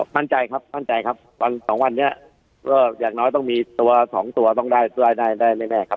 มั่นใจครับมั่นใจครับวันสองวันนี้ก็อย่างน้อยต้องมีตัวสองตัวต้องได้แน่ครับ